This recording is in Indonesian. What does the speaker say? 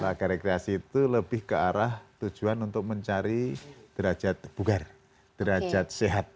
olahraga rekreasi itu lebih ke arah tujuan untuk mencari derajat bugar derajat sehat